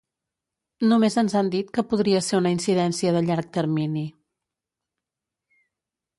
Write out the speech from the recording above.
Només ens han dit que podria ser una incidència de llarg termini.